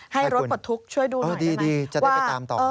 ให้รถกดทุกข์ช่วยดูหน่อยได้ไหม